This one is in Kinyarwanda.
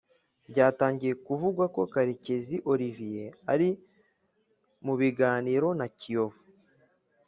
Byatangiye kuvugwa ko Karekezi Olivier ari mu biganiro na Kiyovu